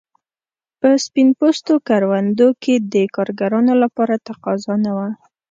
په سپین پوستو کروندو کې د کارګرانو لپاره تقاضا نه وه.